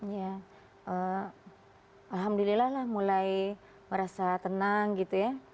ya alhamdulillah lah mulai merasa tenang gitu ya